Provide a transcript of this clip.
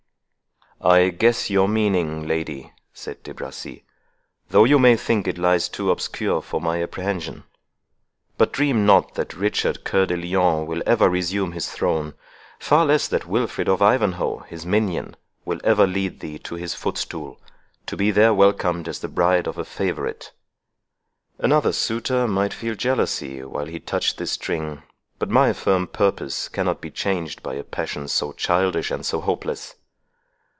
"I guess your meaning, lady," said De Bracy, "though you may think it lies too obscure for my apprehension. But dream not, that Richard Cœur de Lion will ever resume his throne, far less that Wilfred of Ivanhoe, his minion, will ever lead thee to his footstool, to be there welcomed as the bride of a favourite. Another suitor might feel jealousy while he touched this string; but my firm purpose cannot be changed by a passion so childish and so hopeless.